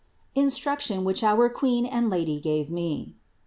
INSTRUCTION WHICH OUR QUEEN AND LADY GAVE ME.